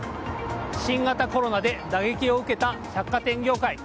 新型コロナで打撃を受けた百貨店業界。